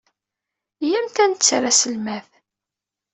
Iyyamt ad netter aselmad.